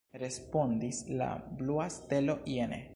Respondis la blua stelo jene.